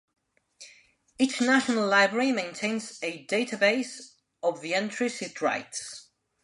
Each national library maintains a database of the entries it writes.